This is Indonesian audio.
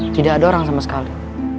tidak ada orang sama sekali